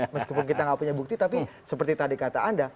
meskipun kita nggak punya bukti tapi seperti tadi kata anda